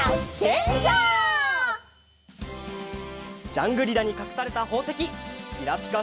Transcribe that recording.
ジャングリラにかくされたほうせききらぴか